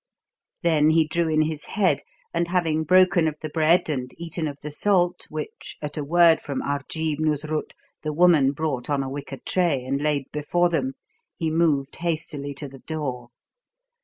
Then he drew in his head, and having broken of the bread and eaten of the salt which, at a word from Arjeeb Noosrut, the woman brought on a wicker tray and laid before them, he moved hastily to the door.